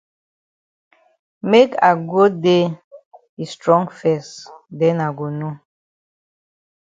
Make I go dey yi strong fes den I go know.